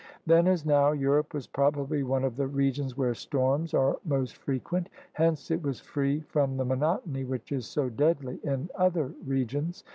Then as now, Europe was probably one of the regions where storms are most frequent. Hence it was free from the monotony which is so deadly in other regions.